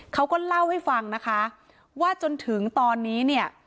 เขาก็เล่าให้ฟังนะคะว่าจนถึงตอนนี้เนี่ย